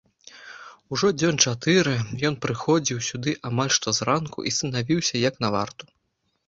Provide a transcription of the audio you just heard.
Ужо дзён чатыры ён прыходзіў сюды амаль што зранку і станавіўся як на варту.